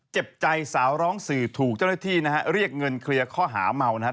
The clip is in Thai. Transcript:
เจ็บใจสาวร้องสื่อถูกเจ้าหน้าที่นะฮะเรียกเงินเคลียร์ข้อหาเมานะครับ